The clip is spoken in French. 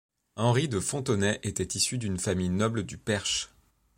Henry de Fontenay était issu d'une famille noble du Perche.